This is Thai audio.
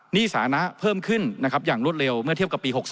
หนี้สานะเพิ่มขึ้นอย่างรวดเร็วเมื่อเทียบกับปี๖๒